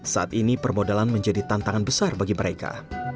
saat ini permodalan menjadi tantangan besar bagi mereka